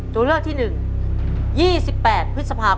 ตัวเลือกที่๑๒๘พฤษภาคม